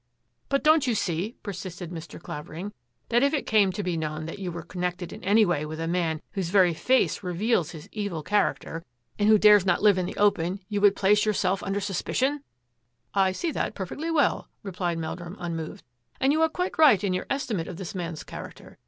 " But don't you see," persisted Mr. Clavering, " that if it came to be known that you were con nected in any way with a man whose very face reveals his evil character and who dares not live in A GAME OF PIQUET 147 the open, you would place yourself under sus picion? "" I see that perfectly well," replied Meldrum, unmoved, " and you are quite right in your esti mate of this man's character.